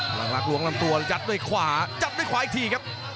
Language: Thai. หลังลักษล้วงลำตัวยัดด้วยขวายัดด้วยขวาอีกทีครับ